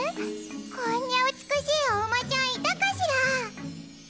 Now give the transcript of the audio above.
こんな美しいお馬さんいたかしら？